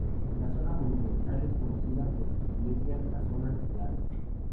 La zona monumental es conocida por sus iglesias, casonas y plazas.